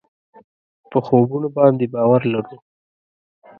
په خوبونو باندې باور لرو.